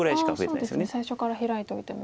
そうですね最初からヒラいておいても。